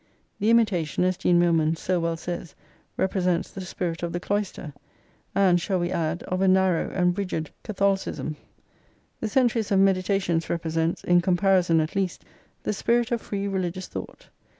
The "Imitation," as Dean Milman so well says, represents the spirit of the Cloister, and— shall we add ?— of a narrow and rigid Cathoh ^ XV cism. The " Centuries of Meditations " represents (in comparison at least) the spirit of free religious thought.